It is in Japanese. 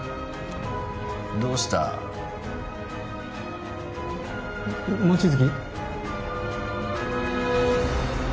どうした？も望月？